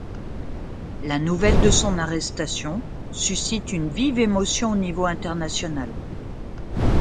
La nouvelle de son arrestation suscite une vive émotion au niveau international.